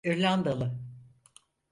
İrlandalı…